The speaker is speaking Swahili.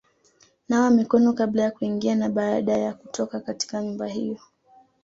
Nawa mikono kabla ya kuingia na baada ya kutoka katika nyumba hiyo;